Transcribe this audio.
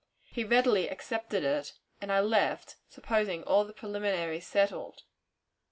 He readily accepted it, and I left, supposing all the preliminaries settled.